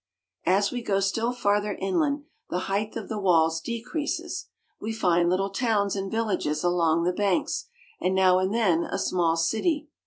As we go still farther inland the height of the walls decreases. We find little towns and villages along the banks, and now and then a small city.